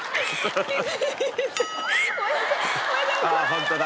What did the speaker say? ホントだ。